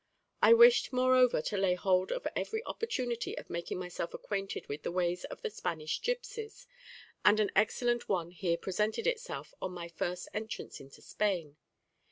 I wished moreover to lay hold of every opportunity of making myself acquainted with the ways of the Spanish gipsies, and an excellent one here presented itself on my first entrance into Spain.